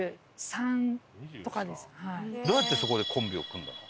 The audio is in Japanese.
どうやってそこでコンビを組んだの？